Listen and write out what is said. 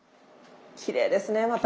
きれいですねまた。